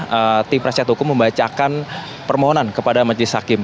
dan juga tim rakyat hukum membacakan permohonan kepada majelis hakim